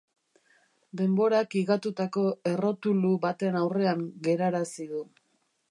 Denborak higatutako errotulu baten aurrean gerarazi du.